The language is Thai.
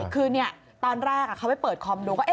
คือตอนแรกเขาไปเปิดคอมดูว่า